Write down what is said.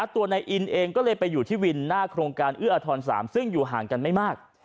ตัวนายอินเองก็เลยไปอยู่ที่วินหน้าโครงการเอื้ออทร๓ซึ่งอยู่ห่างกันไม่มาก